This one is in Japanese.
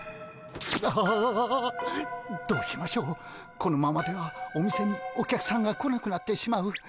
このままではお店にお客さんが来なくなってしまう。